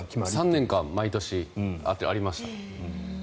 ３年間毎年ありました。